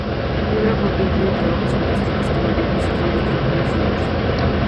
El libro incluye trabajos fantásticos como dibujos de troles, dragones y ogros.